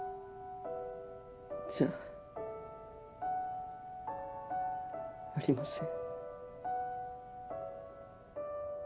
じゃありません。